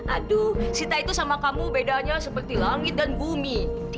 aduh sita itu sama kamu bedanya seperti langit dan bumi